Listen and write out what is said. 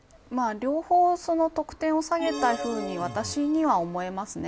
両方、得点を下げたふうに私には思えますね。